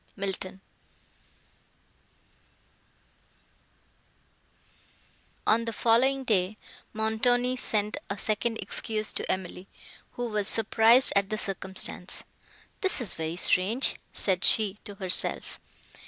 MILTON On the following day, Montoni sent a second excuse to Emily, who was surprised at the circumstance. "This is very strange!" said she to herself.